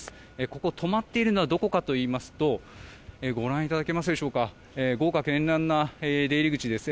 ここ、止まっているのがどこかといいますとご覧いただけますでしょうか豪華絢爛な出入り口です。